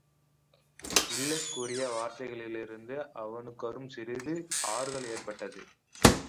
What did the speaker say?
Hillis கூறிய வார்த்தைகளிலிருந்து அவனுக்ரும் சிறிது ஆறுதல் ஏற்பட்டது.